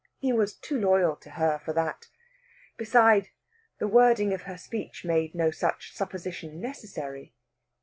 He was too loyal to her for that. Besides, the wording of her speech made no such supposition necessary.